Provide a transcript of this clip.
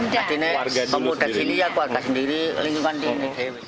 tapi ini pemuda sini ya keluarga sendiri lingkungan ini